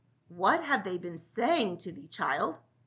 "What have they been saying to thee, child?"